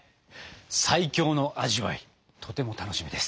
最強の味わいとても楽しみです。